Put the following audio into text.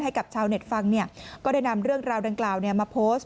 ให้กับชาวเน็ตฟังก็ได้นำเรื่องราวดังกล่าวมาโพสต์